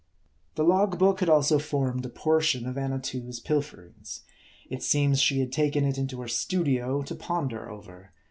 The log book had also formed a portion of Annatoo' s pil ferings. It seems she had taken it into her studio to ponder over.